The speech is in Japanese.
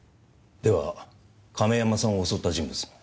では亀山さんを襲った人物の？